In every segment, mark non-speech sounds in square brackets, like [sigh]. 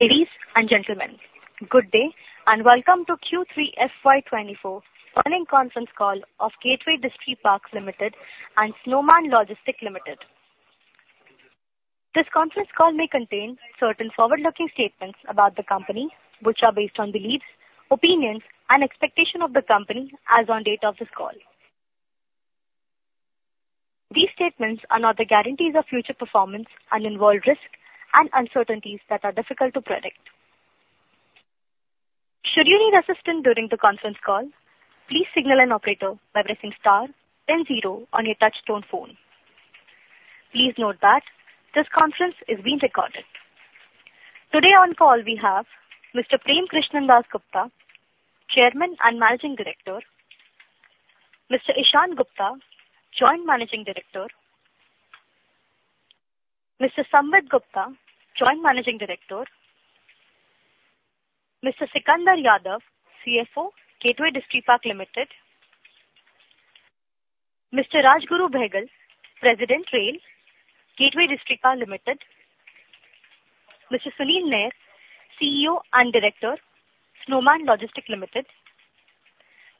Ladies and gentlemen, good day and welcome to Q3 FY 2024 earnings conference call of Gateway Distriparks Limited and Snowman Logistics Limited. This conference call may contain certain forward-looking statements about the company which are based on beliefs, opinions and expectations of the company as on date of this call. These statements are not the guarantees of future performance and involve risks and uncertainties that are difficult to predict. Should you need assistance during the conference call, please signal an operator by pressing star then 0 on your touch-tone phone. Please note that this conference is being recorded. Today on call we have Mr. Prem Kishan Dass Gupta, Chairperson and Managing Director. Mr. Ishaan Gupta, Joint Managing Director. Mr. Samvid Gupta, Joint Managing Director. Mr. Sikander Yadav, CFO, Gateway Distriparks Limited. Mr. Rajguru Bahel, President - Rail, Gateway Distriparks Limited. Mr. Sunil Nair, CEO and Director, Snowman Logistics Limited.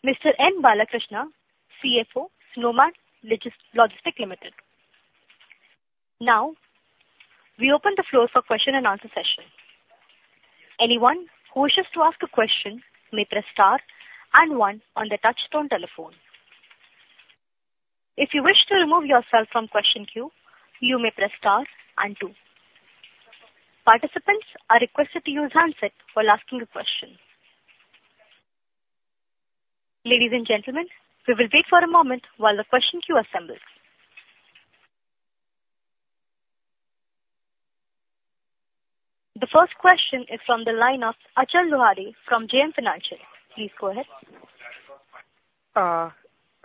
Mr. N. Balakrishna, CFO, Snowman Logistics Limited. Now, we open the floor for question-and-answer session. Anyone who wishes to ask a question may press star and 1 on their touch-tone telephone. If you wish to remove yourself from question queue, you may press star and 2. Participants are requested to use handset while asking a question. Ladies and gentlemen, we will wait for a moment while the question queue assembles. The first question is from the line of Achal Lohade from JM Financial. Please go ahead.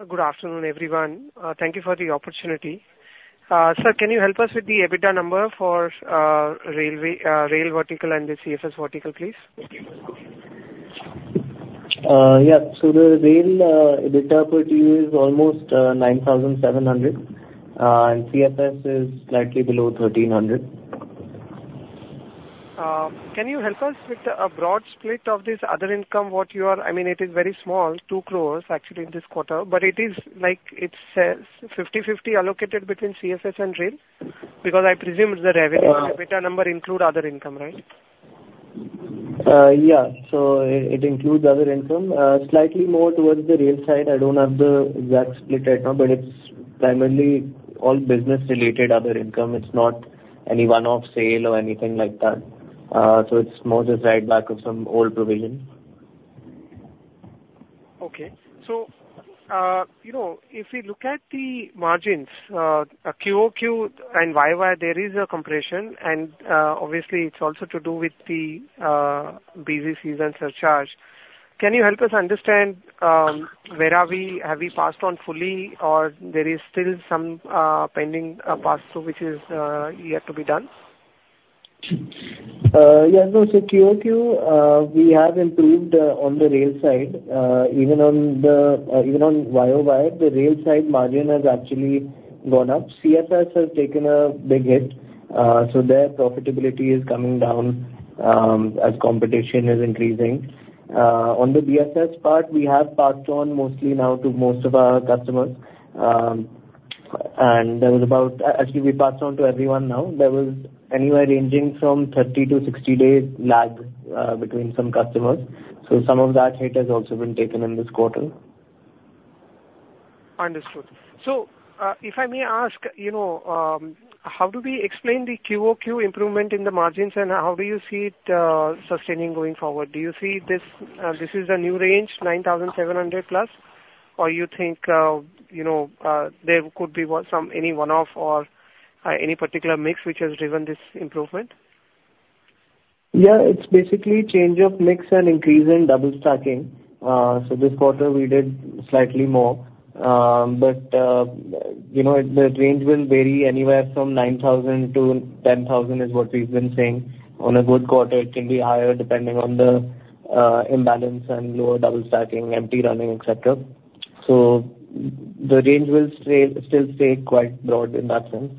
Good afternoon, everyone. Thank you for the opportunity. Sir, can you help us with the EBITDA number for rail vertical and the CFS vertical, please? Yeah. The rail EBITDA for Q is almost 9,700, and CFS is slightly below 1,300. Can you help us with a broad split of this other income? It is very small, 2 crore actually in this quarter, but it is 50/50 allocated between CFS and rail, because I presume the revenue EBITDA number include other income, right? Yeah. It includes other income, slightly more towards the rail side. I don't have the exact split right now, but it's primarily all business related, other income. It's not any one-off sale or anything like that. It's more the write back of some old provision. Okay. If we look at the margins, QOQ and YOY, there is a compression and, obviously it's also to do with the busy season surcharge. Can you help us understand where are we? Have we passed on fully or there is still some pending pass through which is yet to be done? Yeah. No. QOQ, we have improved on the rail side. Even on YOY, the rail side margin has actually gone up. CFS has taken a big hit, so their profitability is coming down as competition is increasing. On the BSS part, we have passed on mostly now to most of our customers. Actually we passed on to everyone now. There was anywhere ranging from 30 to 60 days lag between some customers. Some of that hit has also been taken in this quarter. Understood. If I may ask, how do we explain the QOQ improvement in the margins and how do you see it sustaining going forward? Do you see this is the new range 9,700 plus, or you think there could be any one-off or any particular mix which has driven this improvement? Yeah. It's basically change of mix and increase in double stacking. This quarter we did slightly more. The range will vary anywhere from 9,000 to 10,000 is what we've been saying. On a good quarter, it can be higher depending on the imbalance and lower double stacking, empty running, et cetera. The range will still stay quite broad in that sense.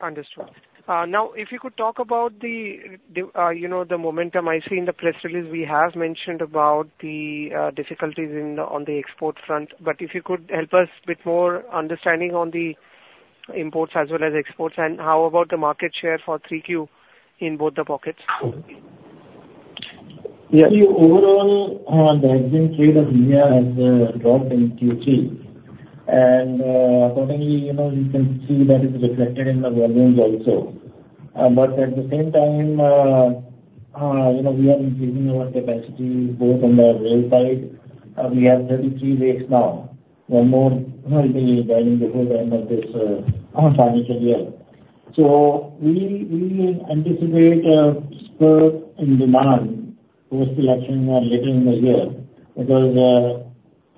Understood. Now if you could talk about the momentum. I see in the press release we have mentioned about the difficulties on the export front, but if you could help us with more understanding on the imports as well as exports and how about the market share for 3Q in both the pockets? Yeah. See, overall, the EXIM trade as a year has dropped in Q3. Accordingly, you can see that it's reflected in the volumes also. At the same time, we are increasing our capacity both on the rail side. We have 33 rakes now. One more will be running before the end of this financial year. We anticipate a spur in demand post-election or later in the year because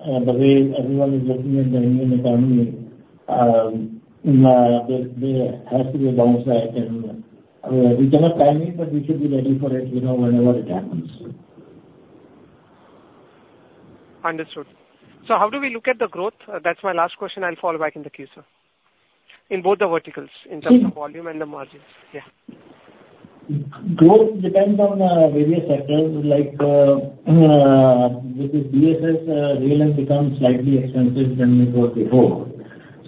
the way everyone is looking at the Indian economy there has to be a downside and we cannot time it, but we should be ready for it whenever it happens. Understood. How do we look at the growth? That's my last question. I'll follow back in the queue, sir. In both the verticals, in terms of volume and the margins. Yeah. Growth depends on various sectors like with this BSS, rail has become slightly expensive than it was before.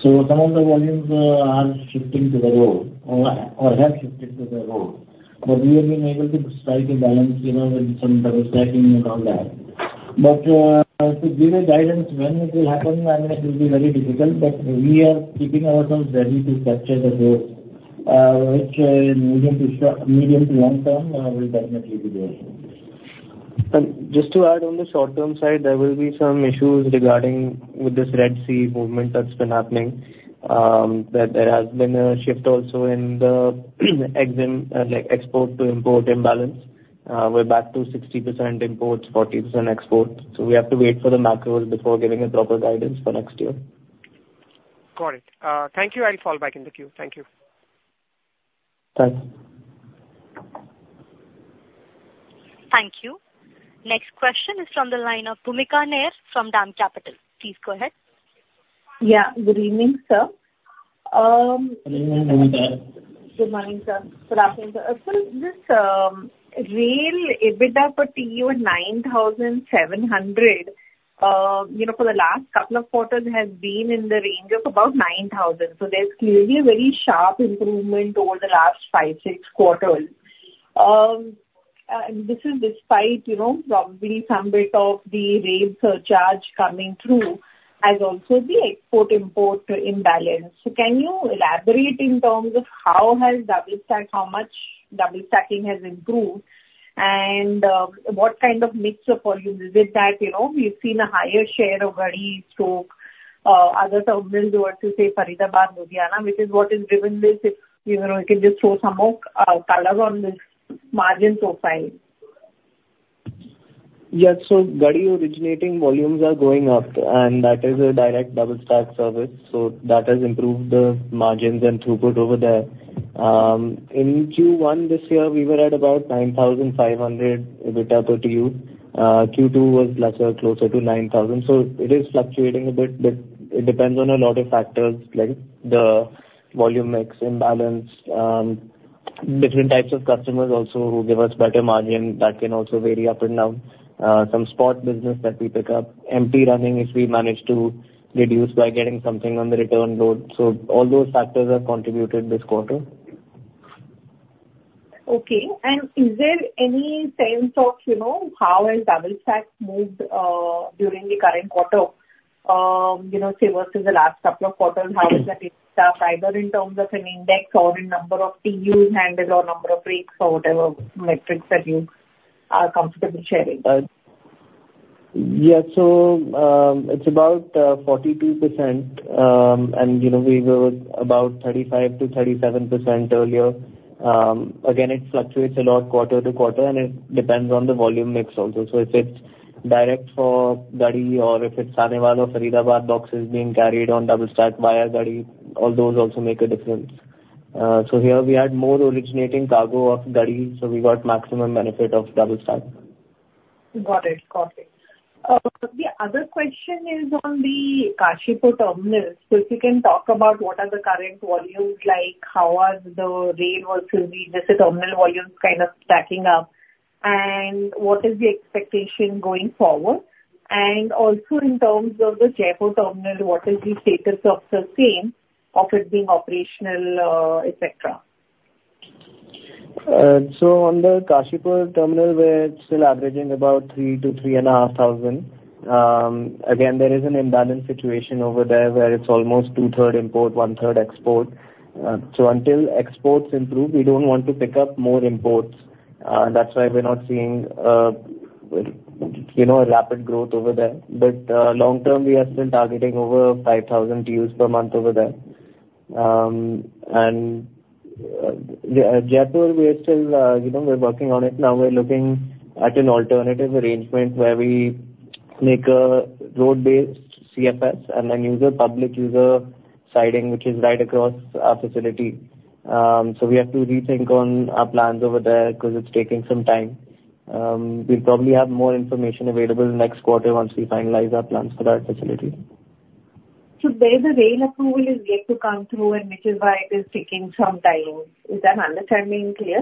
Some of the volumes are shifting to the road, or have shifted to the road. We have been able to strike a balance with some double stacking and all that. To give a guidance when it will happen, it will be very difficult, but we are keeping ourselves ready to capture the growth, which in medium to long term will definitely be there. Just to add on the short term side, there will be some issues regarding with this Red Sea movement that's been happening, that there has been a shift also in the export to import imbalance. We're back to 60% imports, 40% exports. We have to wait for the macros before giving a proper guidance for next year. Got it. Thank you. I'll follow back in the queue. Thank you. Thanks. Thank you. Next question is from the line of Bhoomika Nair from DAM Capital. Please go ahead. Yeah. Good evening, sir. Good evening. Good morning. Good morning, sir. Good afternoon, sir. Sir, this rail EBITDA per TU at 9,700, for the last couple of quarters has been in the range of about 9,000. There's clearly a very sharp improvement over the last five, six quarters. This is despite probably some bit of the rail surcharge coming through, as also the export-import imbalance. Can you elaborate in terms of how much double stacking has improved and what kind of mixture for you is it that we've seen a higher share of Garhi Harsaru, other terminals over, say, Faridabad, Ludhiana, which is what has driven this? If you can just throw some more colors on this margin profile. Yeah. Garhi Harsaru originating volumes are going up, and that is a direct double stack service. That has improved the margins and throughput over there. In Q1 this year, we were at about 9,500 EBITDA per TU. Q2 was lesser, closer to 9,000. It is fluctuating a bit, but it depends on a lot of factors like the volume mix imbalance, different types of customers also who give us better margin, that can also vary up and down. Some spot business that we pick up. Empty running, if we manage to reduce by getting something on the return load. All those factors have contributed this quarter. Okay. Is there any sense of how has double stack moved during the current quarter, say, versus the last couple of quarters? How has that hit the fiber in terms of an index or a number of TUs handled or number of rakes or whatever metrics that you are comfortable sharing? Yeah. It's about 42%, and we were about 35%-37% earlier. Again, it fluctuates a lot quarter to quarter, and it depends on the volume mix also. If it's direct for Garhi or if it's Sahnewal or Faridabad boxes being carried on double stack via Garhi, all those also make a difference. Here we had more originating cargo of Garhi, so we got maximum benefit of double stack. Got it. The other question is on the Kashipur terminal. If you can talk about what are the current volumes like, how are the rail versus the terminal volumes kind of stacking up, and what is the expectation going forward? Also in terms of the Jaipur terminal, what is the status of the same, of it being operational, etcetera? On the Kashipur terminal, we're still averaging about three to three and a half thousand. Again, there is an imbalance situation over there where it's almost two-third import, one-third export. Until exports improve, we don't want to pick up more imports. That's why we're not seeing rapid growth over there. Long term, we are still targeting over 5,000 TUs per month over there. Jaipur, we're working on it now. We're looking at an alternative arrangement where we make a road-based CFS and then use a public user siding, which is right across our facility. We have to rethink on our plans over there because it's taking some time. We'll probably have more information available next quarter once we finalize our plans for that facility. There, the rail approval is yet to come through, and which is why it is taking some time. Is that understanding clear?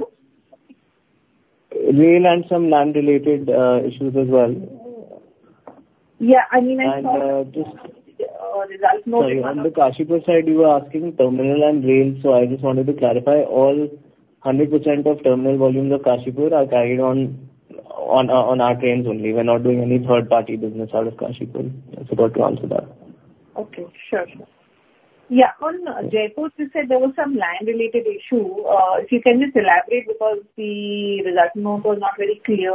Rail and some land related issues as well. Yeah. I mean, And just- on the results Sorry. On the Kashipur side, you were asking terminal and rail, I just wanted to clarify, 100% of terminal volumes of Kashipur are carried on our trains only. We are not doing any third-party business out of Kashipur. I forgot to answer that. Okay. Sure. Yeah. On Jaipur, since you said there was some land-related issue, if you can just elaborate because the results note was not very clear,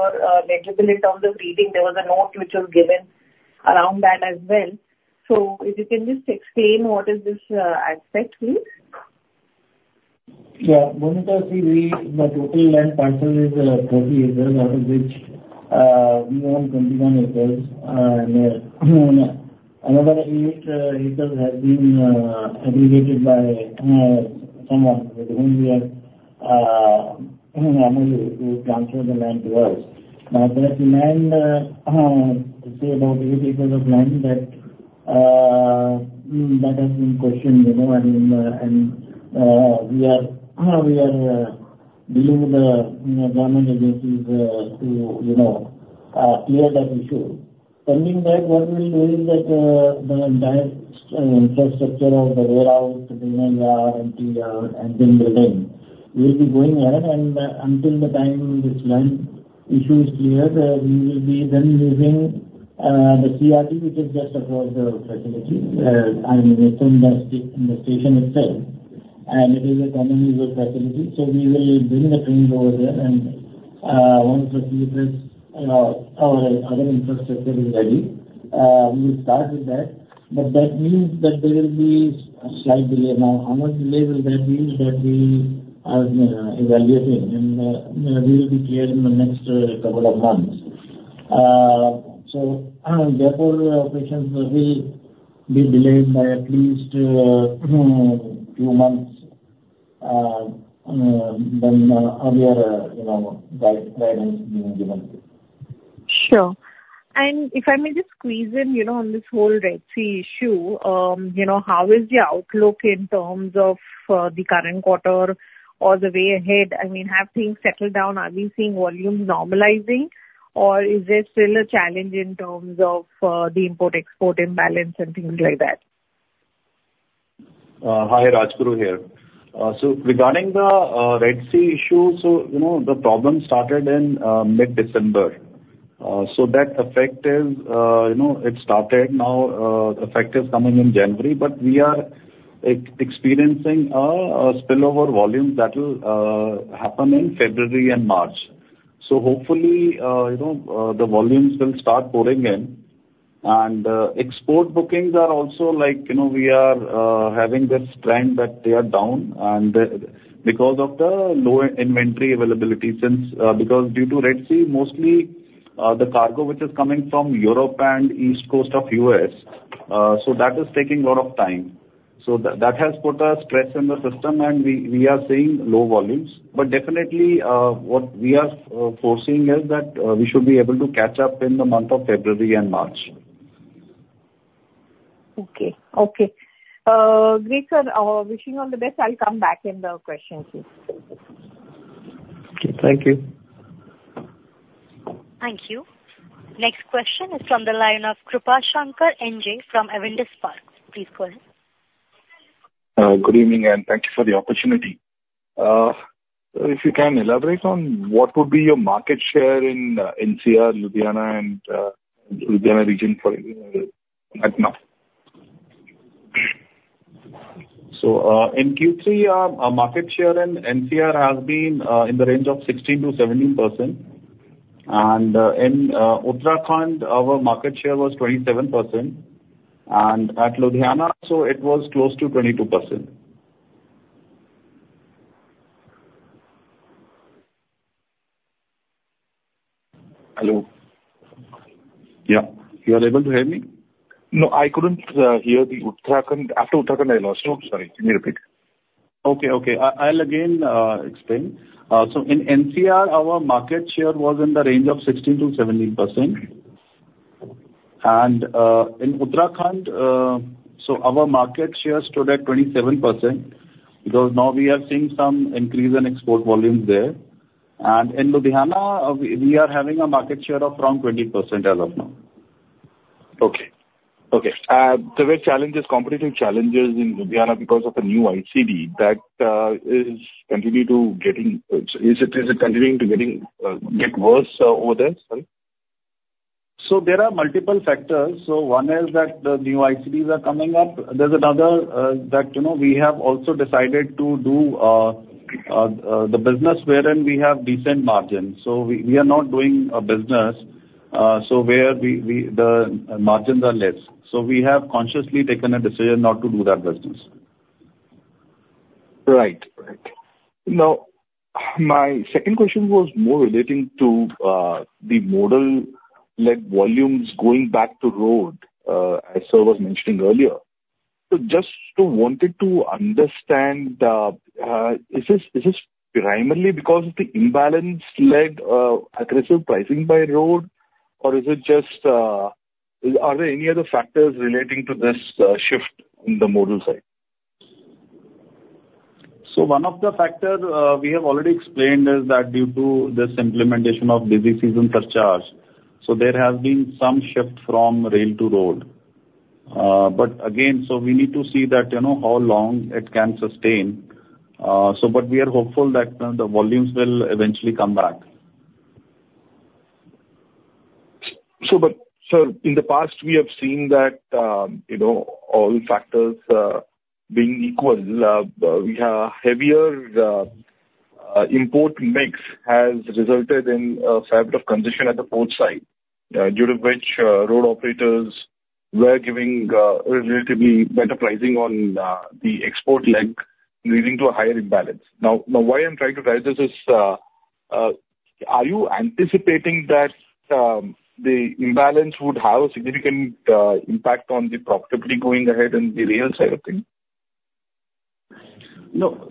legible in terms of reading. There was a note which was given around that as well. If you can just explain what is this aspect, please. Yeah. Bhoomika, see, the total land parcel is 30 acres, out of which we own 21 acres there. Another 8 acres has been aggregated by someone with whom we have a memorandum to transfer the land to us. That land, to say about 8 acres of land that has been questioned. We are below the government agencies to clear that issue. Pending that, what we will do is that the entire infrastructure of the warehouse, the yard, empty yard, and then building will be going ahead. Until the time this land issue is cleared, we will be then using the CRT, which is just across the facility, and within the station itself. It is a common user facility. We will bring the trains over there, and once the, [inaudible] our other infrastructure is ready we will start with that. That means that there will be a slight delay. Now, how much delay will that be? That we are evaluating, and we will be clear in the next couple of months. Therefore, the operations will be delayed by at least 2 months than earlier guidance being given. Sure. If I may just squeeze in on this whole Red Sea issue. How is the outlook in terms of the current quarter or the way ahead? Have things settled down? Are we seeing volumes normalizing, or is there still a challenge in terms of the import-export imbalance and things like that? Hi, Rajguru here. Regarding the Red Sea issue, the problem started in mid-December. That effect started now, effect is coming in January. We are experiencing a spillover volume that will happen in February and March. Hopefully the volumes will start pouring in. Export bookings are also like, we are having this trend that they are down because of the low inventory availability since because due to Red Sea, mostly the cargo which is coming from Europe and East Coast of U.S., that is taking a lot of time. That has put a stress in the system, we are seeing low volumes. Definitely what we are foreseeing is that we should be able to catch up in the month of February and March. Okay. Great, sir. Wishing you all the best. I'll come back in the questions queue. Okay. Thank you. Thank you. Next question is from the line of Krupashankar N J from Avendus Spark. Please go ahead. Good evening, Thank you for the opportunity. If you can elaborate on what would be your market share in NCR, Ludhiana region right now. In Q3, our market share in NCR has been in the range of 16%-17%. In Uttarakhand, our market share was 27%. At Ludhiana, it was close to 22%. Hello? Yeah. You are able to hear me? No, I couldn't hear the Uttarakhand. After Uttarakhand, I lost you. Sorry. Can you repeat? Okay. I'll again explain. In NCR our market share was in the range of 16%-17%. In Uttarakhand, our market share stood at 27%, because now we are seeing some increase in export volumes there. In Ludhiana, we are having a market share of around 20% as of now. Okay. There were competitive challenges in Ludhiana because of the new ICD that is continuing to get worse over there. Sorry. There are multiple factors. One is that the new ICDs are coming up. There's another that we have also decided to do the business wherein we have decent margins. We are not doing a business where the margins are less. We have consciously taken a decision not to do that business. Right. My second question was more relating to the modal-led volumes going back to road as sir was mentioning earlier. Just wanted to understand, is this primarily because of the imbalance-led aggressive pricing by road, or are there any other factors relating to this shift in the modal side? One of the factors we have already explained is that due to this implementation of busy season surcharge, there has been some shift from rail to road. Again, we need to see how long it can sustain. We are hopeful that the volumes will eventually come back. Sir, in the past, we have seen that all factors being equal, we have heavier import mix has resulted in a fabric of congestion at the port side, due to which road operators were giving a relatively better pricing on the export leg, leading to a higher imbalance. Why I'm trying to raise this is. Are you anticipating that the imbalance would have a significant impact on the profitability going ahead in the rail side of things? No.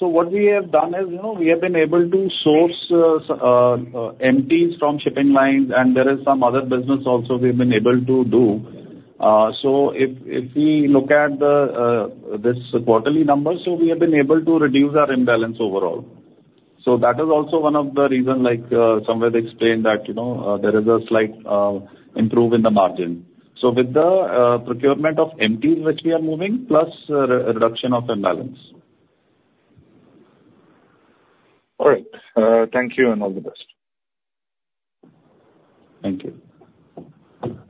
What we have done is we have been able to source empties from shipping lines, and there is some other business also we've been able to do. If we look at this quarterly numbers, we have been able to reduce our imbalance overall. That is also one of the reasons, somewhere they explained that there is a slight improvement in the margin. With the procurement of empties which we are moving plus reduction of imbalance. All right. Thank you, and all the best. Thank you.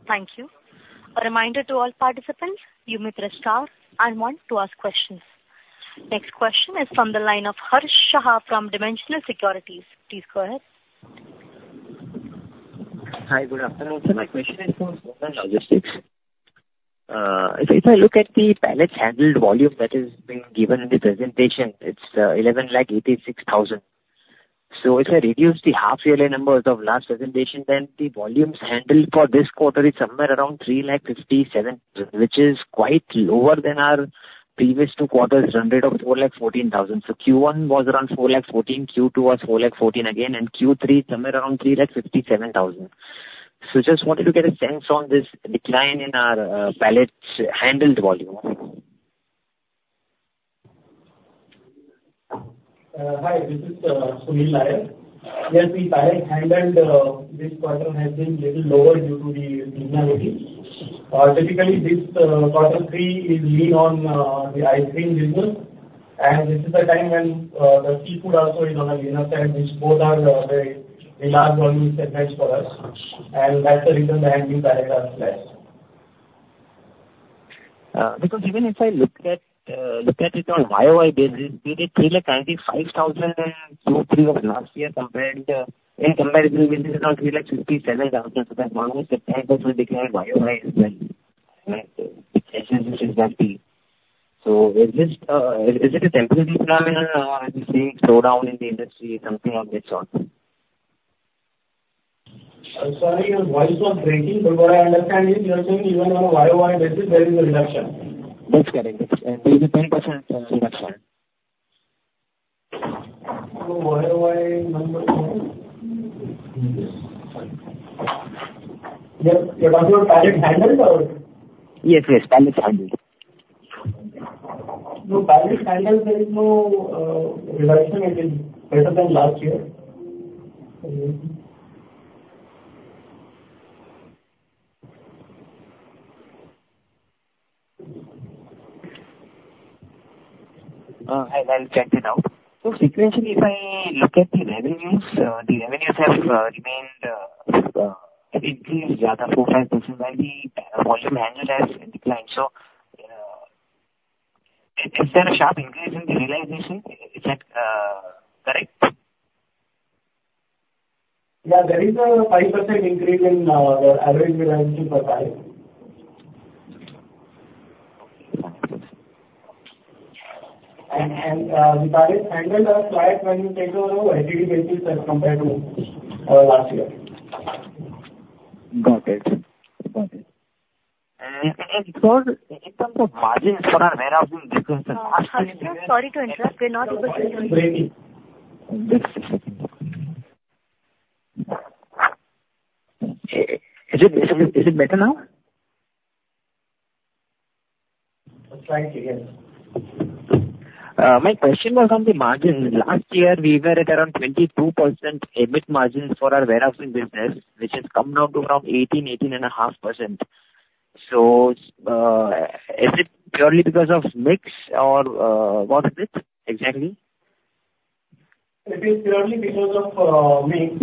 Thank you. A reminder to all participants, you may press star one to ask questions. Next question is from the line of Harsh Shah from Dimensional Securities. Please go ahead. Hi, good afternoon, sir. My question is for Snowman Logistics. If I look at the pallets handled volume that has been given in the presentation, it's 11 lakh 86,000. If I reduce the half yearly numbers of last presentation, then the volumes handled for this quarter is somewhere around 3 lakh 57,000, which is quite lower than our previous two quarters ended of 4 lakh 14,000. Q1 was around 4 lakh 14,000, Q2 was 4 lakh 14,000 again, and Q3 somewhere around 3 lakh 57,000. Just wanted to get a sense on this decline in our pallets handled volume. Hi, this is Sunil Nair. Yes, the pallets handled this quarter has been little lower due to the seasonality. Typically, this quarter three is lean on the ice cream business, and this is the time when the seafood also is on a leaner side, which both are very large volume segments for us, and that's the reason the handled pallets are less. Even if I look at it on YOY basis, we did 3 lakh 95,000 in Q3 of last year compared in comparable basis is now INR 3 lakh 57,000. That's 1% decline YOY as well. Is it a temporary decline or are we seeing slowdown in the industry, something of that sort? I'm sorry, your voice is breaking. What I understand is you're saying even on a YOY basis, there is a reduction. That's correct. There's a 10% reduction. YOY numbers are. You're talking about pallet handled or? Yes, yes, pallets handled. No pallet handled there is no reduction. It is better than last year. I'll check it out. Sequentially, if I look at the revenues, the revenues have remained increased rather 4% to 5% while the volume handled has declined. Is there a sharp increase in the realization? Is that correct? Yeah, there is a 5% increase in the average revenue per pallet. The pallets handled are slight when you take a YTD basis as compared to last year. Got it. In terms of margins for our warehousing business. Harsh Shah, sorry to interrupt. We're not able to hear you. Is it better now? Try it again. My question was on the margin. Last year, we were at around 22% EBIT margin for our warehousing business, which has come down to around 18.5%. Is it purely because of mix or what is it exactly? It is purely because of mix.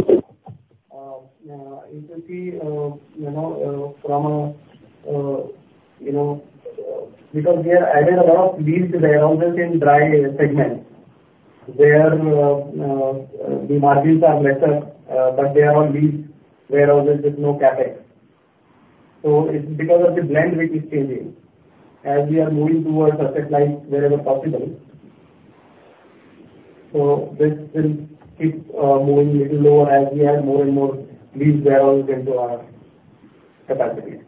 We have added a lot of leased warehouses in dry segment, where the margins are lesser but they are on leased warehouses with no CapEx. It's because of the blend which is changing, as we are moving towards asset light wherever possible. This will keep moving little lower as we add more and more leased warehouse into our capacity.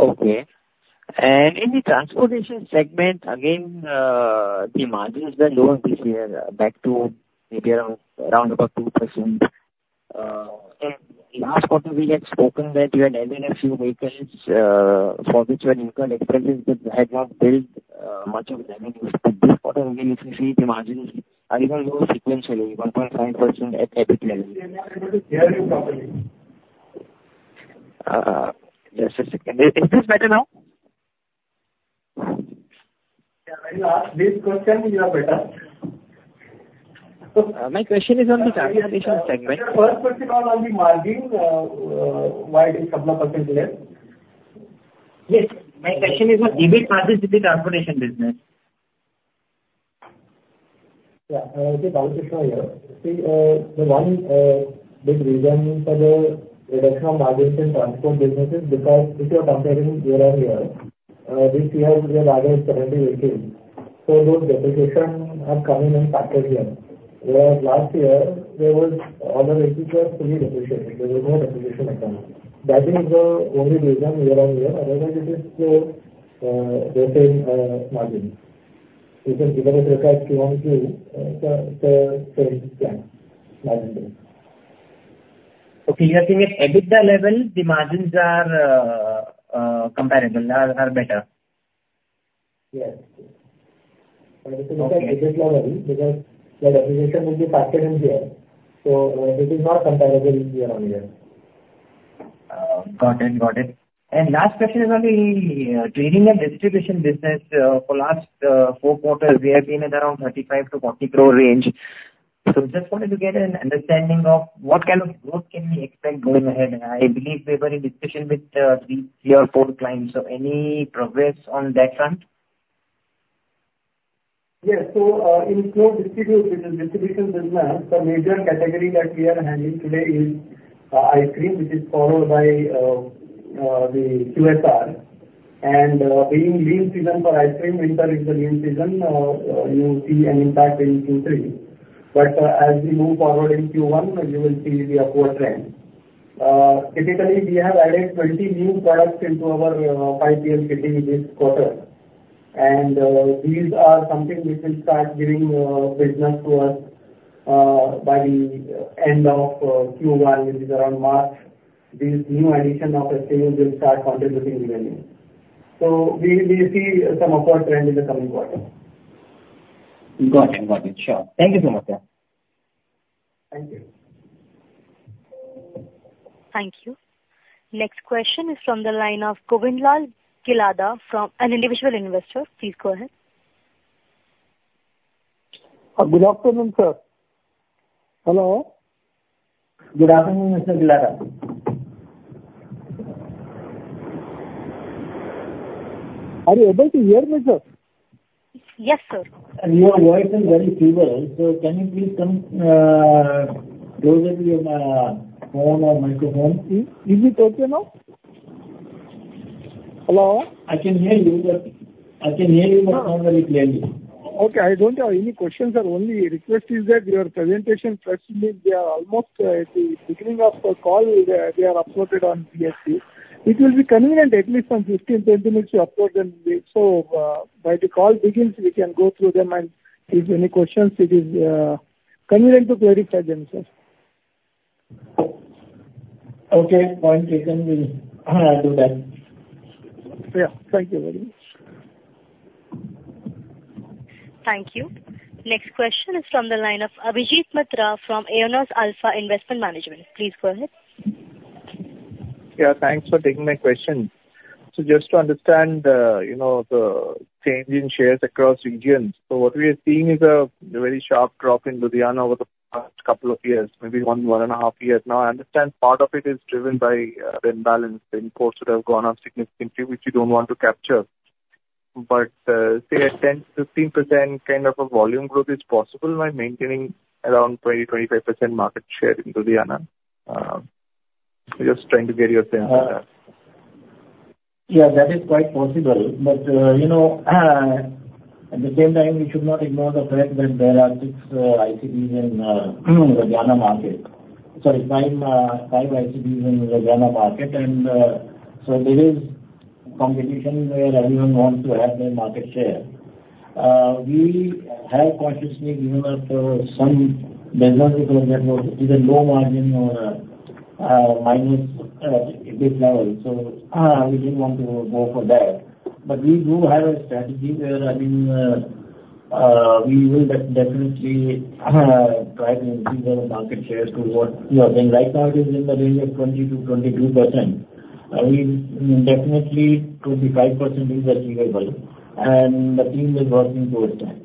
Okay. In the transportation segment, again, the margins are lower this year back to maybe around about 2%. In last quarter, we had spoken that you had added a few vehicles, for which you had incurred expenses but had not billed much of revenues. This quarter, we can see the margins are even lower sequentially, 1.5% at EBIT level. I'm not able to hear you properly. Just a second. Is this better now? Yeah, please continue, better. My question is on the transportation segment. Your first question was on the margin, why it is couple of percent less. Yes. My question is on EBIT margin in the transportation business. Yeah. I'll take that question here. See, one big reason for the reduction of margins in transport business is because if you are comparing year-on-year This year we have added 20 ACs, those depreciation are coming in faster here. Whereas last year, all the ACs were fully depreciated. There was no depreciation account. That is the only reason year-on-year. Otherwise, it is the same margin. You can give it a look at Q-on-Q the same trend margin. Okay. You are saying at EBITDA level, the margins are comparable, are better. Yes. Okay. This is at EBIT level because the depreciation will be faster in here, so it is not comparable year-on-year. Got it. Last question is on the trading and distribution business. For last four quarters, we have been at around 35 crore-40 crore range. Just wanted to get an understanding of what kind of growth can we expect going ahead. I believe we were in discussion with three, four clients. Any progress on that front? Yes. In cold distribution business, the major category that we are handling today is ice cream, which is followed by the QSR and being lean season for ice cream, winter is the lean season, you will see an impact in Q3. As we move forward in Q1, you will see the upward trend. Typically, we have added 20 new products into our 5PL cities this quarter. These are something which will start giving business to us by the end of Q1, which is around March. This new addition of SKUs will start contributing revenue. We will see some upward trend in the coming quarter. Got it. Sure. Thank you so much. Thank you. Thank you. Next question is from the line of Govindlal Gilada from an individual investor. Please go ahead. Good afternoon, sir. Hello. Good afternoon, Mr. Gilada. Are you able to hear me, sir? Yes, sir. Your voice is very feeble. Can you please come closer to your phone or microphone? Is it okay now? Hello. I can hear you, but not very clearly. Okay. I don't have any questions, sir. Only request is that your presentation slides, they are almost at the beginning of the call, they are uploaded on BSE. It will be convenient at least some 15, 20 minutes to upload them so by the call begins, we can go through them and if any questions, it is convenient to clarify them, sir. Okay. Point taken. Will do that. Thank you very much. Thank you. Next question is from the line of Abhijit Mitra from Unifi Capital. Please go ahead. Thanks for taking my question. Just to understand the change in shares across regions. What we are seeing is a very sharp drop in Ludhiana over the past couple of years, maybe one and a half years now. I understand part of it is driven by the imbalance in ports that have gone up significantly, which you don't want to capture. Say a 10%-15% kind of a volume growth is possible by maintaining around 20%-25% market share in Ludhiana. Just trying to get your sense of that. That is quite possible. At the same time, we should not ignore the fact that there are six ICDs in Ludhiana market. Sorry, five ICDs in Ludhiana market, there is competition where everyone wants to have their market share. We have consciously given up some business because that was either low margin or a minus EBIT level. We didn't want to go for that. We do have a strategy where, we will definitely try to increase our market shares to what we are getting. Right now, it is in the range of 20%-22%. Definitely 25% is achievable, and the team is working towards that.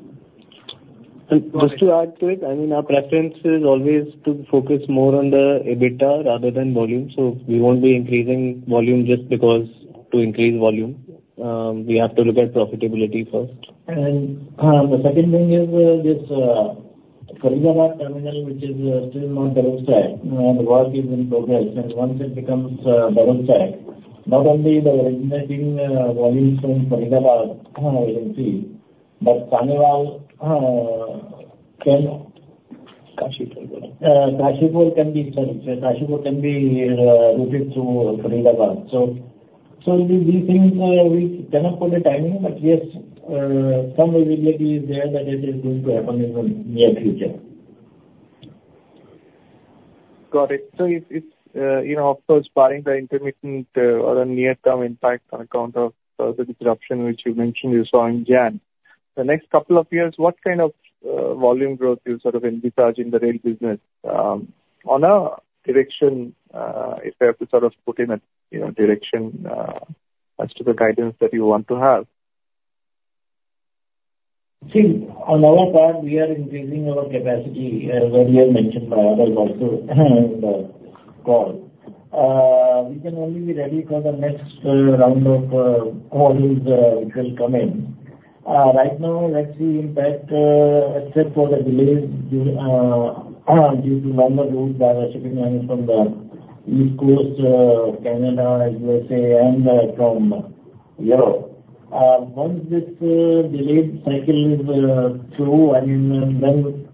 Just to add to it, our preference is always to focus more on the EBITDA rather than volume. We won't be increasing volume just because to increase volume. We have to look at profitability first. The second thing is this Faridabad terminal, which is still not developed. The work is in progress, and once it becomes developed, not only the originating volume from Faridabad we can see, but Kashipur can Kashipur Kashipur can be sent. Kashipur can be routed through Faridabad. These things we cannot put a timing, but yes, some visibility is there that it is going to happen in the near future. Got it. Of course, barring the intermittent or the near-term impact on account of the disruption which you mentioned you saw in January. The next couple of years, what kind of volume growth you envisage in the rail business on a direction, if I have to sort of put in a direction as to the guidance that you want to have. On our part, we are increasing our capacity as earlier mentioned by others also in the call. We can only be ready for the next round of calls which will come in Right now, actually, impact, except for the delays due to [Inaudiuble], the shipping coming from the East Coast, Canada, U.S.A., and from Europe. Once this delayed cycle is through, and then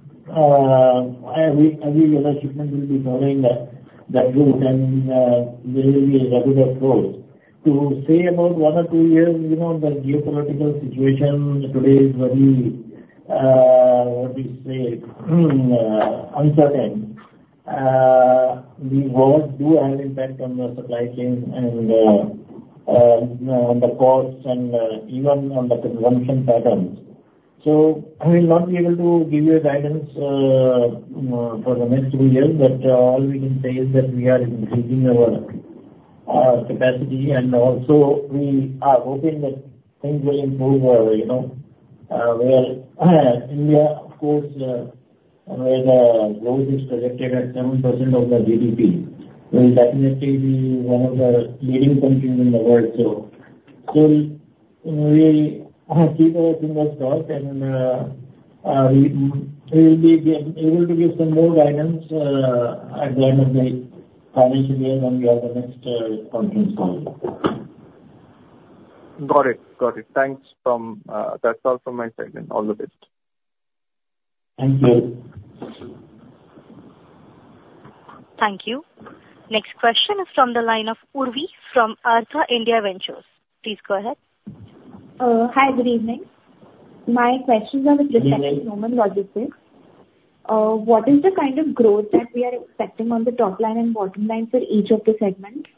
every other shipment will be following that route, and there will be a regular flow. To say about one or two years, the geopolitical situation today is very, how to say, uncertain. These wars do have impact on the supply chain and on the costs and even on the consumption patterns. I will not be able to give you a guidance for the next two years, but all we can say is that we are increasing our capacity, and also we are hoping that things will improve where India, of course, and where the growth is projected at 7% of the GDP, will definitely be one of the leading countries in the world. We'll keep our fingers crossed, and we will be able to give some more guidance at the end of the financial year when we have the next conference call. Got it. Thanks. That's all from my side, and all the best. Thank you. Thank you. Next question is from the line of Urvi from Artha India Ventures. Please go ahead. Hi, good evening. My questions are with respect to Snowman Logistics. What is the kind of growth that we are expecting on the top line and bottom line for each of the segments?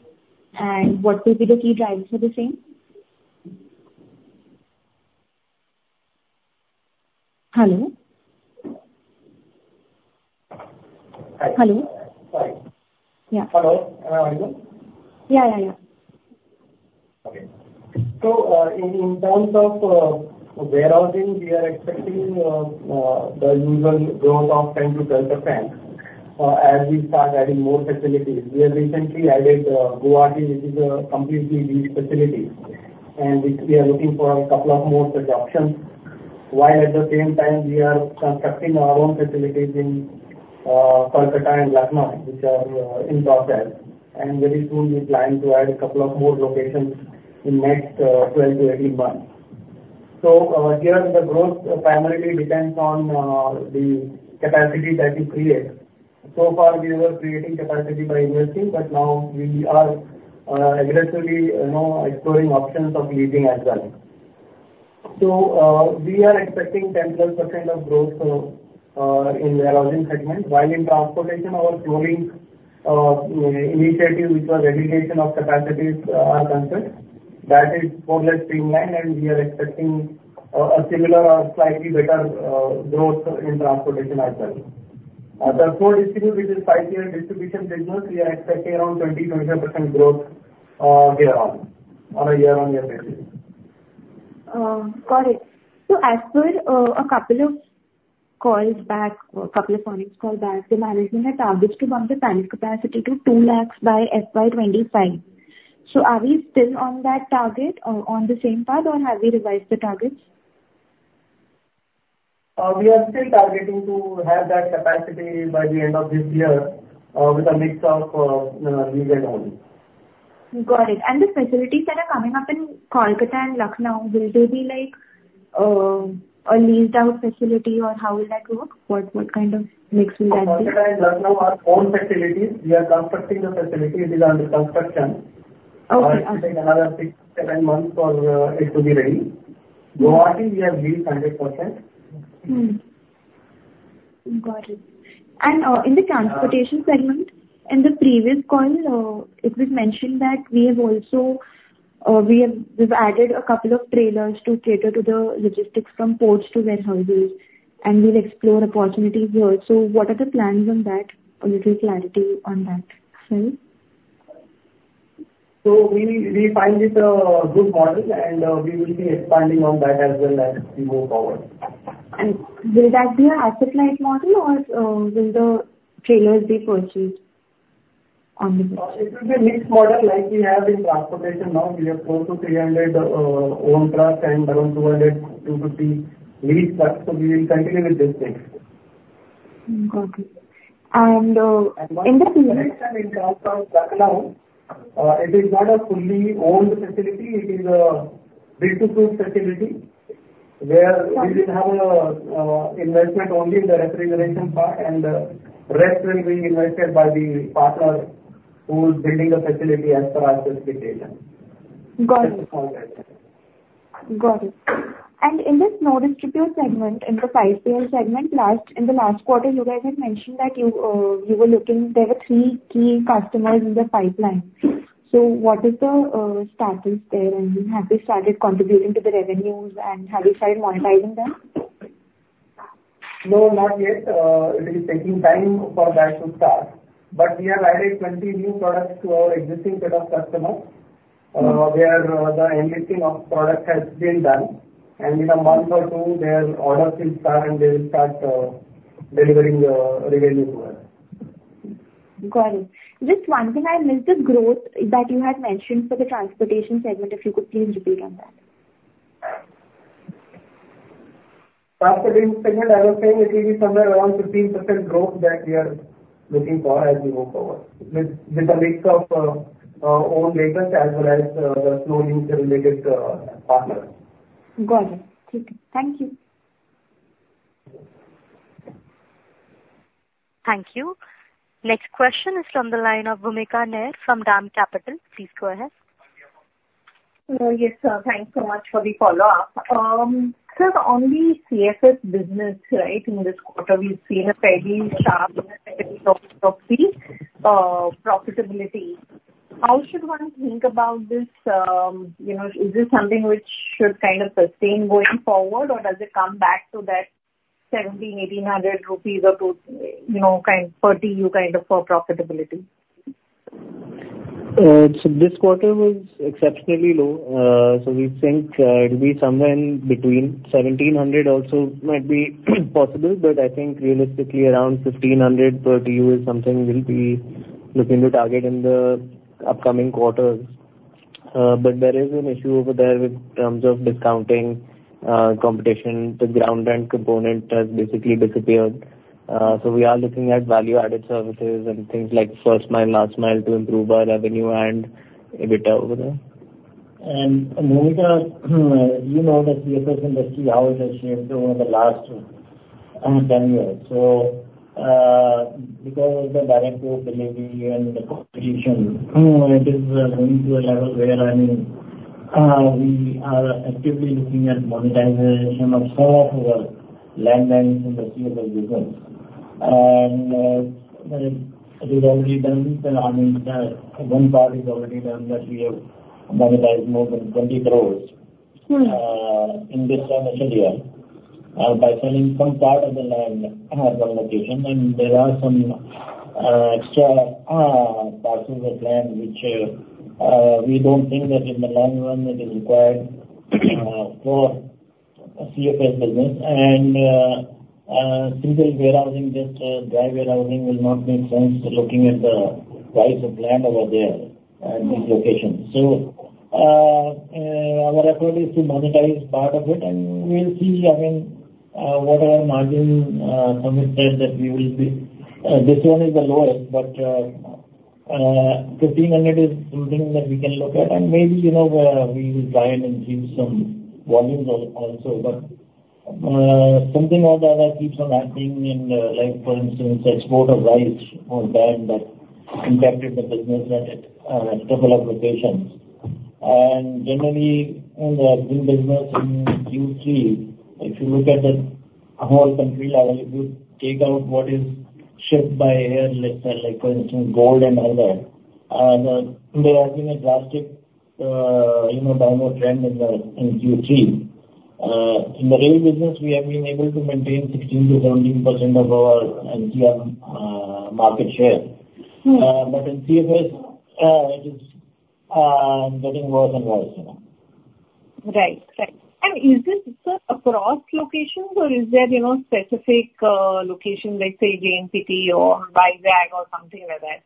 What will be the key drivers for the same? Hello? Hi. Hello. Sorry. Yeah. Hello. Can you hear me? Yeah. Okay. In terms of warehousing, we are expecting the usual growth of 10%-12% as we start adding more facilities. We have recently added Guwahati, which is a completely leased facility, and we are looking for a couple of more such options, while at the same time, we are constructing our own facilities in Kolkata and Lucknow, which are in process. Very soon, we plan to add a couple of more locations in next 12-18 months. Here, the growth primarily depends on the capacity that we create. So far, we were creating capacity by investing, but now we are aggressively exploring options of leasing as well. We are expecting 10%-12% of growth in warehousing segment, while in transportation, our touring initiative with our dedication of capacities are concerned. That is more or less streamlined, and we are expecting a similar or slightly better growth in transportation as well. The third issue, which is 5PL distribution business, we are expecting around 20%-25% growth year-on-year basis. Got it. As per a couple of calls back, or a couple of earnings calls back, the management had targeted to bump the capacity to 2 lakh by FY 2025. Are we still on that target or on the same path, or have we revised the targets? We are still targeting to have that capacity by the end of this year, with a mix of leased and owned. Got it. The facilities that are coming up in Kolkata and Lucknow, will they be a leased-out facility, or how will that work? What kind of mix will that be? Kolkata and Lucknow are owned facilities. We are constructing the facility. It is under construction. Okay. It will take another six, seven months for it to be ready. Guwahati we have leased 100%. Got it. In the transportation segment, in the previous call, it was mentioned that we've added a couple of trailers to cater to the logistics from ports to warehouses, and we'll explore opportunities here. What are the plans on that? A little clarity on that front. We find it a good model, and we will be expanding on that as well as we move forward. Will that be an asset-light model, or will the trailers be purchased on the go? It will be a mixed model like we have in transportation now. We have close to 300 owned trucks and around 200, 250 leased trucks. We will continue with this mix. Got it. One correction in terms of Lucknow. It is not a fully owned facility. It is a B2S facility where we will have investment only in the refrigeration part, and the rest will be invested by the partner who is building a facility as per our specification. Got it. That's all. Got it. In this no distribute segment, in the 5PL segment, in the last quarter, you guys had mentioned that there were three key customers in the pipeline. What is the status there, and have they started contributing to the revenues, and have you started monetizing them? No, not yet. It is taking time for that to start. We have added 20 new products to our existing set of customers, where the MDT of product has been done, and in a month or two, their orders will start, and they will start delivering revenue to us. Got it. Just one, can I get the growth that you had mentioned for the transportation segment, if you could please repeat on that. Transportation segment, I was saying it will be somewhere around 15% growth that we are looking for as we move forward with a mix of, our own business as well as the flow into related partners. Got it. Okay. Thank you. Thank you. Next question is from the line of Bhoomika Nair from DAM Capital. Please go ahead. Yes. Thanks so much for the follow-up. Sir, on the CFS business, right? In this quarter, we've seen a fairly sharp profitability. How should one think about this? Is this something which should kind of sustain going forward, or does it come back to that INR 1,700, INR 1,800 per, kind of, per TEU kind of profitability? This quarter was exceptionally low. We think it'll be somewhere in between 1,700 also might be possible, but I think realistically around 1,500 per TEU is something we'll be looking to target in the upcoming quarters. There is an issue over there with terms of discounting competition. The ground rent component has basically disappeared. We are looking at value-added services and things like first mile, last mile to improve our revenue and EBITDA over there. Bhoomika, you know the CFS industry, how it has shaped over the last 10 years. Because of the direct port delivery and the competition, it is going to a level where we are actively looking at monetization of some of our land banks in the CFS business. It is already done. I mean, one part is already done that we have monetized more than 20 crores. In this financial year, by selling some part of the land at one location. There are some extra parts of that land which we don't think that in the long run it is required for CFS business. Since we're warehousing this dry warehousing will not make sense looking at the price of land over there at these locations. Our approach is to monetize part of it, and we'll see, I mean, what our margin. Samvid said that we will be. This one is the lowest, but 1,500 is something that we can look at, and maybe we will try and infuse some volumes also. Something or the other keeps on happening. Like, for instance, export of rice was banned. That impacted the business at a couple of locations. Generally in the rail business in Q3, if you look at the whole country level, if you take out what is shipped by air, like for instance, gold and other, there has been a drastic downward trend in Q3. In the rail business, we have been able to maintain 16%-17% of our NCR market share. In CFS, it is getting worse and worse. Right. Is this across locations or is there specific locations like, say, JNPT or Vizag or something like that?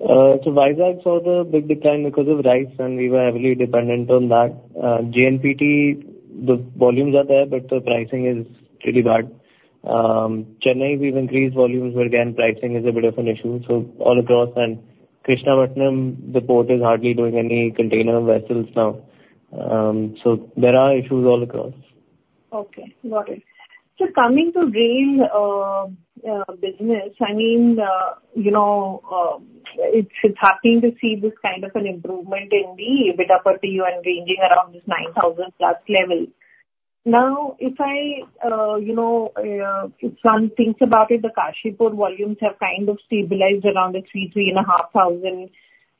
Vizag saw the big decline because of rice, and we were heavily dependent on that. JNPT, the volumes are there, but the pricing is really bad. Chennai we've increased volumes, but again, pricing is a bit of an issue, all across. Krishnapatnam, the port is hardly doing any container vessels now. There are issues all across. Okay, got it. Coming to rail business, I mean, it's heartening to see this kind of an improvement in the EBITDA per TEU and ranging around this 9,000-plus level. If one thinks about it, the Kashipur volumes have kind of stabilized around the 3,000,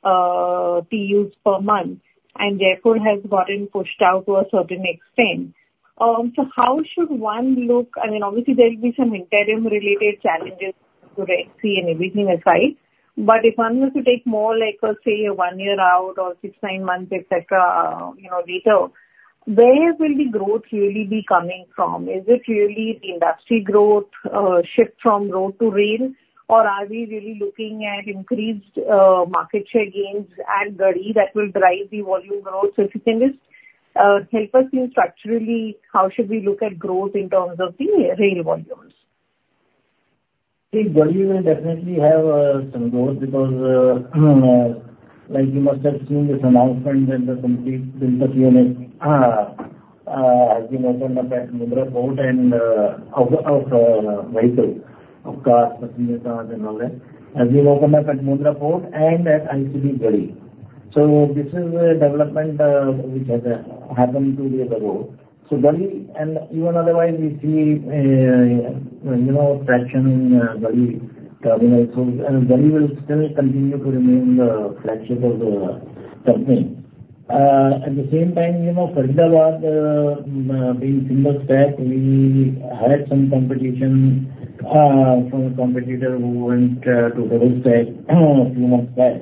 3,500 TEUs per month, and therefore has gotten pushed out to a certain extent. How should one look I mean, obviously there will be some interim-related challenges to rail, sea, and everything aside. If one were to take more like a, say, a one-year out or six, nine months, et cetera, you know, data, where will the growth really be coming from? Is it really the industry growth, shift from road to rail, or are we really looking at increased market share gains at Garhi that will drive the volume growth? If you can just help us structurally, how should we look at growth in terms of the rail volumes? I think Ghazi will definitely have some growth because, like you must have seen this announcement that the complete build-up unit has been opened up at Mundra Port and of vehicles, of cars, passenger cars and all that, has been opened up at Mundra Port and at ICD Ghazi. This is a development which has happened two days ago. Ghazi, and even otherwise we see fraction in Ghazi terminal. Ghazi will still continue to remain the flagship of the company. At the same time Faridabad, being single stack, we had some competition from a competitor who went to double stack a few months back.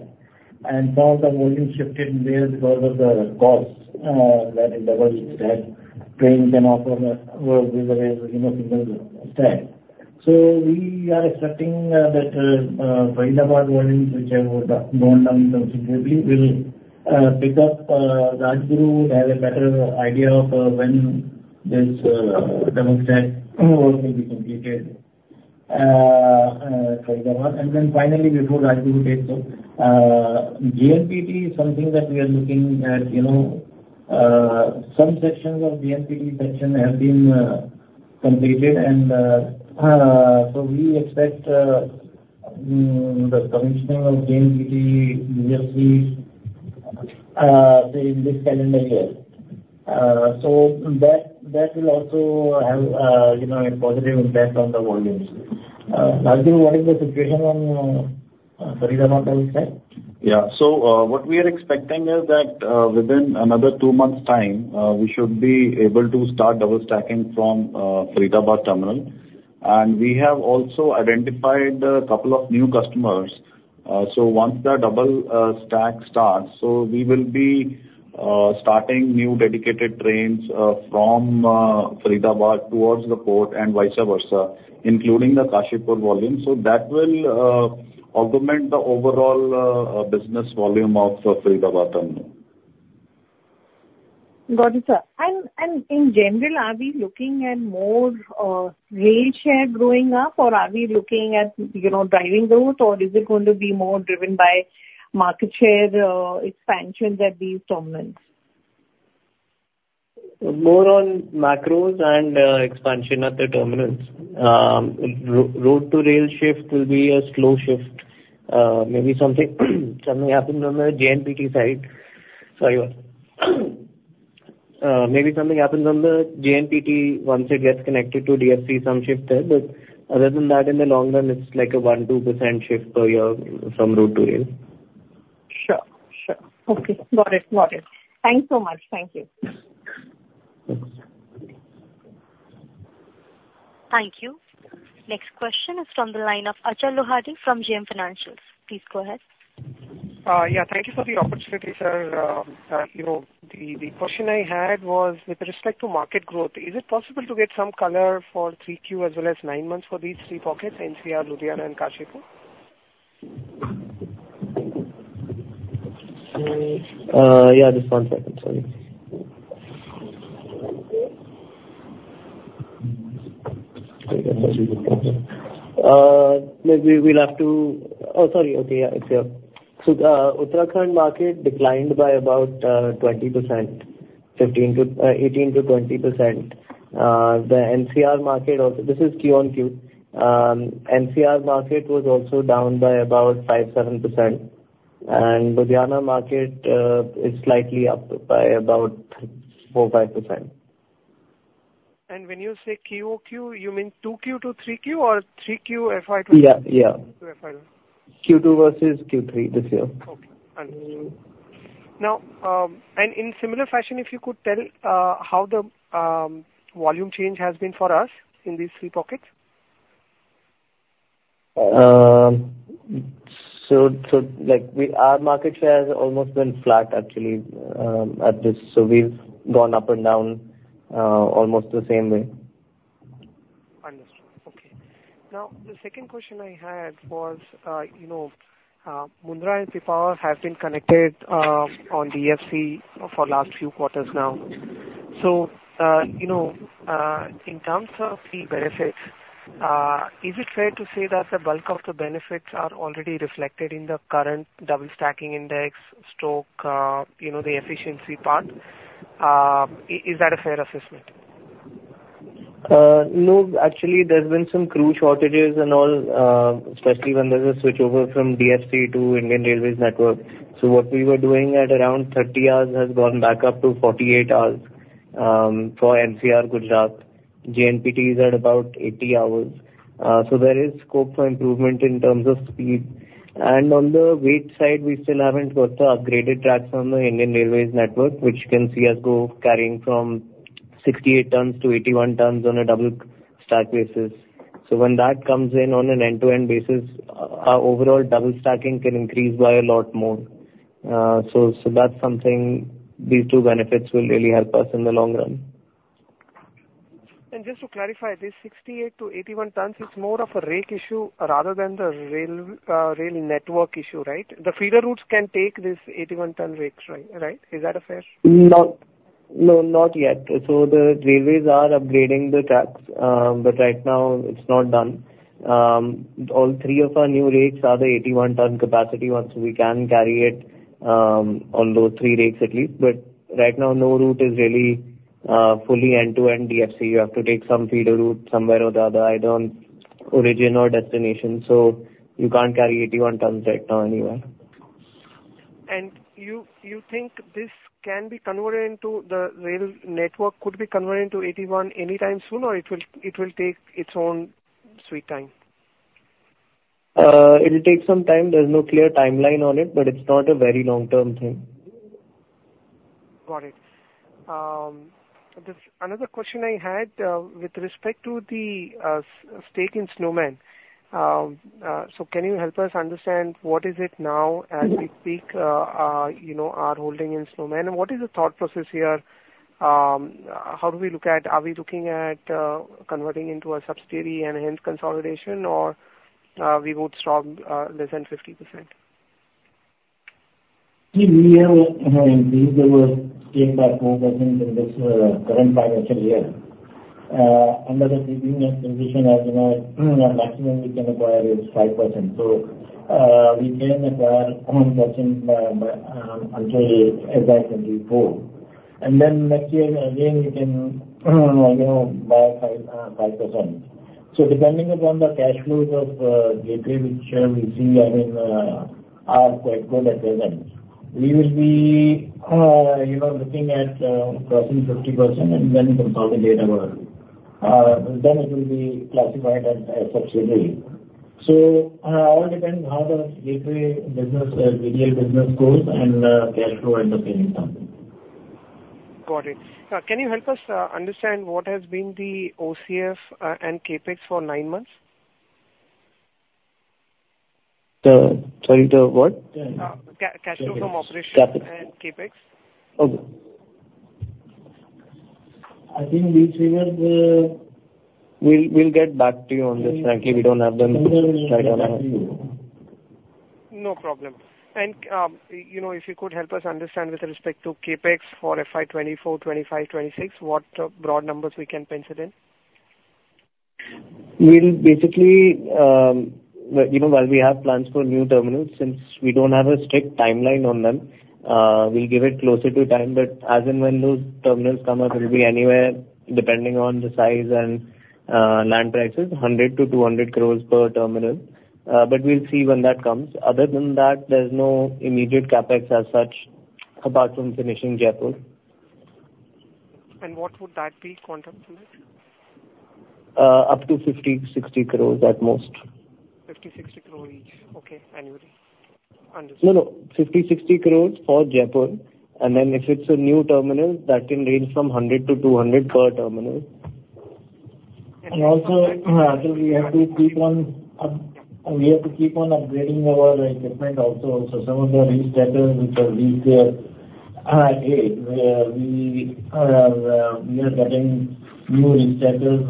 Part of the volume shifted there because of the costs that a double stack train can offer versus a single stack. We are expecting that Faridabad volumes, which have gone down considerably, will pick up. Rajguru has a better idea of when this double stack work will be completed. Faridabad, before Rajguru takes over, JNPT is something that we are looking at. Some sections of JNPT section have been completed, and we expect the commissioning of JNPT DFC in this calendar year. That will also have a positive impact on the volumes. Rajguru, what is the situation on Faridabad double stack? What we are expecting is that within another 2 months' time, we should be able to start double stacking from Faridabad terminal. We have also identified a couple of new customers. Once the double stack starts, we will be starting new dedicated trains from Faridabad towards the port, and vice versa, including the Kashipur volume. That will augment the overall business volume of Faridabad terminal. Got it, sir. In general, are we looking at more rail share growing up, or are we looking at driving route, or is it going to be more driven by market share expansions at these terminals? More on macros and expansion at the terminals. Road to rail shift will be a slow shift. Maybe something happens on the JNPT side. Sorry about that. Maybe something happens on the JNPT once it gets connected to DFC, some shift there. Other than that, in the long run, it's like a 1%, 2% shift per year from road to rail. Sure. Okay. Got it. Thanks so much. Thank you. Thank you. Next question is from the line of Achal Lohani from JM Financial. Please go ahead. Thank you for the opportunity, sir. The question I had was with respect to market growth. Is it possible to get some color for 3Q as well as nine months for these three pockets, NCR, Ludhiana, and Kashipur? Just one second. Sorry. Okay. Uttarakhand market declined by about 18%-20%. This is Q on Q. NCR market was also down by about 5%-7%, and Ludhiana market is slightly up by about 4%-5%. When you say QOQ, you mean 2 Q to 3 Q or 3 Q FY 2023- Yeah. -to FY 2024? Q2 versus Q3 this year. Okay. Understood. Now, in similar fashion, if you could tell how the volume change has been for us in these three pockets. Our market share has almost been flat actually at this. We've gone up and down almost the same way. Understood. Okay. The second question I had was Mundra and Pipavav have been connected on DFC for last few quarters now. In terms of speed benefits, is it fair to say that the bulk of the benefits are already reflected in the current double stacking index stock, the efficiency part? Is that a fair assessment? No, actually there's been some crew shortages and all, especially when there's a switchover from DFC to Indian Railways network. What we were doing at around 30 hours has gone back up to 48 hours for NCR Gujarat. JNPT is at about 80 hours. There is scope for improvement in terms of speed. On the weight side, we still haven't got the upgraded tracks on the Indian Railways network, which can see us go carrying from 68 tons to 81 tons on a double stack basis. When that comes in on an end-to-end basis, our overall double stacking can increase by a lot more. That's something these two benefits will really help us in the long run. Just to clarify, this 68 tons-81 tons, it's more of a rake issue rather than the rail network issue, right? The feeder routes can take this 81 ton rakes, right? Is that fair? No, not yet. The railways are upgrading the tracks. Right now it's not done. All three of our new rakes are the 81 ton capacity ones, so we can carry it on those three rakes at least. Right now, no route is really fully end-to-end DFC. You have to take some feeder route somewhere or the other, either on origin or destination. You can't carry 81 tons right now anywhere. You think this can be converted into the rail network, could be converted into 81 anytime soon, or it will take its own sweet time? It'll take some time. There's no clear timeline on it, but it's not a very long-term thing. Got it. Another question I had with respect to the stake in Snowman. Can you help us understand what is it now as we speak our holding in Snowman? What is the thought process here? Are we looking at converting into a subsidiary and hence consolidation, or we would stop less than 50%? We have stake that goes up in this current financial year. Under the SEBI norms condition, as you know, maximum we can acquire is 5%. We can acquire only that much until FY 2024. Next year, again, we can buy 5%. Depending upon the cash flows of Gateway, which we see are quite good at present, we will be looking at crossing 50%. Then it will be classified as a subsidiary. All depends how the Gateway business, GDL business goes and cash flow ends up being something. Got it. Can you help us understand what has been the OCF and CapEx for nine months? Sorry, the what? Cash flow from operation and CapEx. Okay. I think we figured. We'll get back to you on this, Kishan. We don't have them right on us. No problem. If you could help us understand with respect to CapEx for FY 2024, FY 2025, FY 2026, what broad numbers we can pencil in? We'll basically, even while we have plans for new terminals, since we don't have a strict timeline on them, we'll give it closer to time, as and when those terminals come up, it'll be anywhere, depending on the size and land prices, 100 crore-200 crore per terminal. We'll see when that comes. Other than that, there's no immediate CapEx as such apart from finishing Jaipur. What would that be, quantum-wise? Up to 50-60 crores at most. 50-60 crore each. Okay. Annually. Understood. No, no. 50-60 crores for Jaipur. If it's a new terminal, that can range from 100-200 per terminal. I think we have to keep on upgrading our equipment also. Some of the reach stackers which have reached their age, we are getting new reach stackers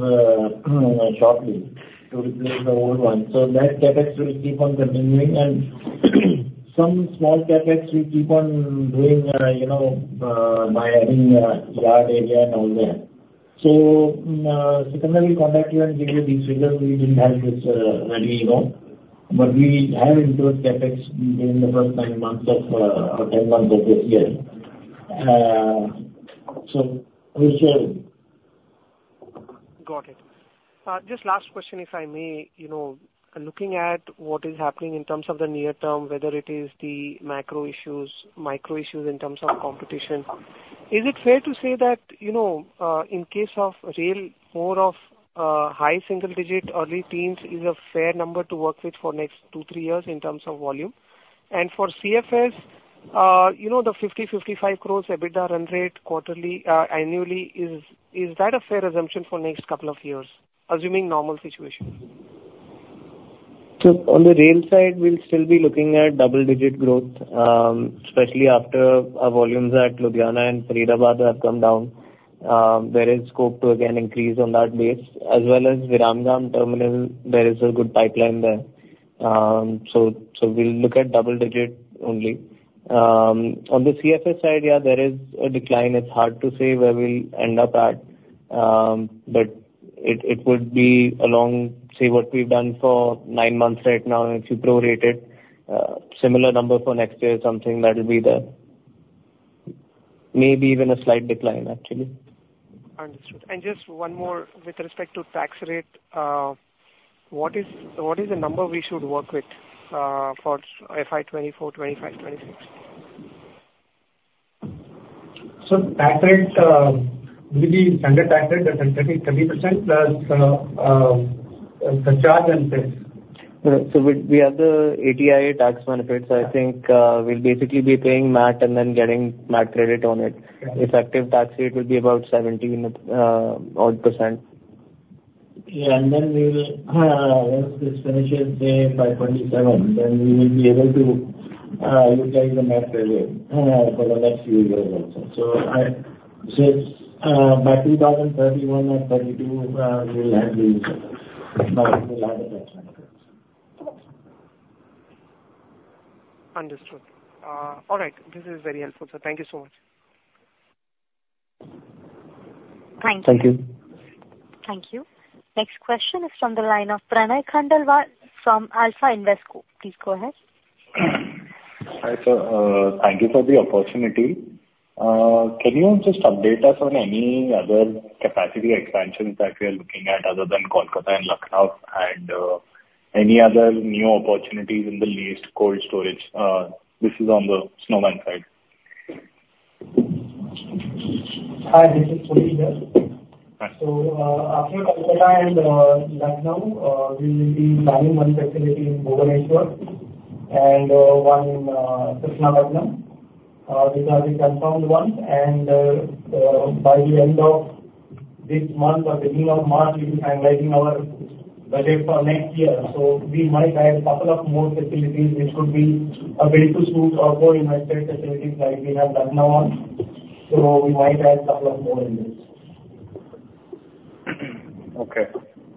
shortly to replace the old ones. That CapEx will keep on continuing, and some small CapEx we keep on doing by adding yard area and all that. Secondly, contact you and give you these figures. We didn't have this ready, but we have included CapEx within the first nine months of, or 10 months of this year. We'll share. Got it. Just last question, if I may. Looking at what is happening in terms of the near term, whether it is the macro issues, micro issues in terms of competition, is it fair to say that, in case of rail, more of high single-digit, early teens is a fair number to work with for next two, three years in terms of volume? For CFS, the 50 crore, 55 crore EBITDA run rate quarterly, annually, is that a fair assumption for next couple of years, assuming normal situation? On the rail side, we'll still be looking at double-digit growth. Especially after our volumes at Ludhiana and Faridabad have come down. There is scope to again increase on that base, as well as Viramgam terminal, there is a good pipeline there. We'll look at double-digit only. On the CFS side, yeah, there is a decline. It's hard to say where we'll end up at, but it would be along, say, what we've done for nine months right now, and if you prorate it, similar number for next year, something that'll be there. Maybe even a slight decline, actually. Understood. Just one more with respect to tax rate. What is the number we should work with for FY 2024, FY 2025, FY 2026? Tax rate will be standard tax rate as in 30% plus surcharge and cess. We have the 80IA tax benefits. I think we'll basically be paying MAT and then getting MAT credit on it. Effective tax rate will be about 17%. Yeah. Then we will, once this finishes in FY 2027, then we will be able to utilize the MAT credit for the next few years also. By 2031 or 2032, we'll have the 80IA benefits. Understood. All right. This is very helpful, sir. Thank you so much. Thank you. Thank you. Thank you. Next question is from the line of Pranay Khandelwal from Alpha Invesco. Please go ahead. Hi, sir. Thank you for the opportunity. Can you just update us on any other capacity expansions that we are looking at other than Kolkata and Lucknow, and any other new opportunities in the leased cold storage? This is on the Snowman side. Hi, this is Puneet here. After Kolkata and Lucknow, we will be planning one facility in Bhubaneswar and one in Krishnapatnam. These are the confirmed ones, and by the end of this month or beginning of March, we will be finalizing our budget for next year. We might add a couple of more facilities, which could be a way to suit our core investment facilities like we have Lucknow. We might add a couple of more units. Okay.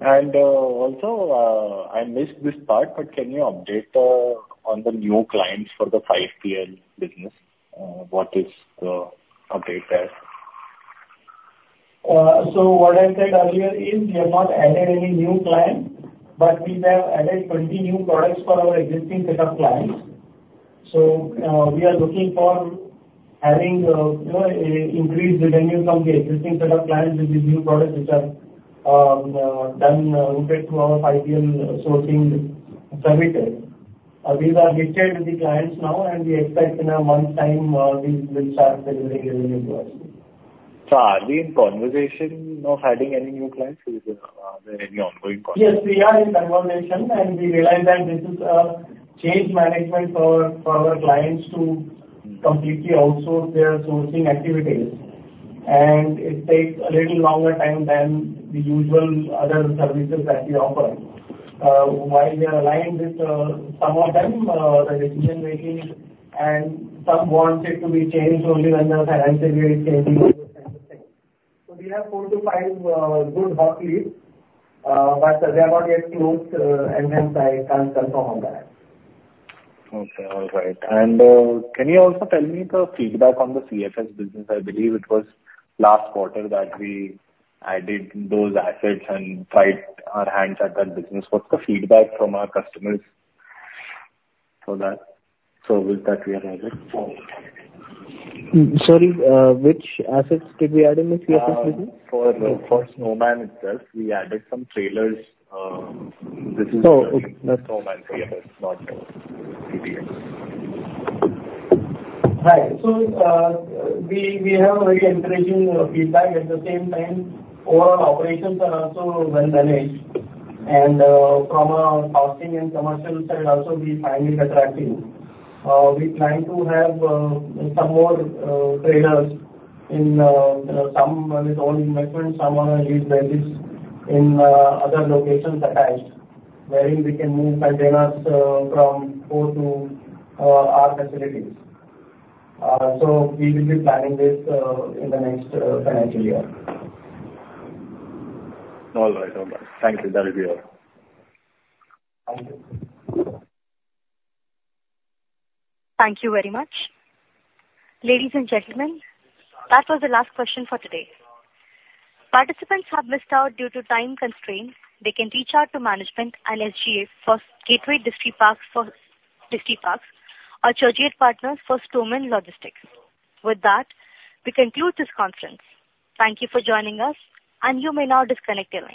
Also, I missed this part, but can you update on the new clients for the 5PL business? What is the update there? What I said earlier is we have not added any new client, we have added 20 new products for our existing set of clients. We are looking for having increased revenue from the existing set of clients with the new products, which are done with our 5PL sourcing services. These are listed with the clients now, and we expect in a month's time, we will start delivering revenue for us. Are we in conversation of adding any new clients? Are there any ongoing conversations? Yes, we are in conversation, we realize that this is a change management for our clients to completely outsource their sourcing activities. It takes a little longer time than the usual other services that we offer. While we are aligned with some of them, the decision making and some want it to be changed only when their financial year is changing those kinds of things. We have four to five good hot leads, but they are not yet closed, and hence I can't confirm on that. Okay. All right. Can you also tell me the feedback on the CFS business? I believe it was last quarter that we added those assets and tried our hands at that business. What's the feedback from our customers for that service that we have added? Sorry, which assets did we add in the CFS business? For Snowman itself, we added some trailers. This is Snowman trailers, not CFS. Right. We have very encouraging feedback. At the same time, overall operations are also well managed, and from our sourcing and commercial side also, we find it attractive. We plan to have some more trailers in some with own equipment, some on lease basis in other locations attached, wherein we can move containers from port to our facilities. We will be planning this in the next financial year. All right. Thank you. That would be all. Thank you. Thank you very much. Ladies and gentlemen, that was the last question for today. Participants who have missed out due to time constraints, they can reach out to management and SGA for Gateway Distriparks for Distriparks, or Churchgate Partners for Snowman Logistics. With that, we conclude this conference. Thank you for joining us, and you may now disconnect your lines.